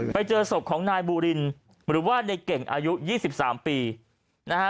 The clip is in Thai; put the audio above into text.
ไปเจอศพของนายบูรินหรือว่าในเก่งอายุ๒๓ปีนะฮะ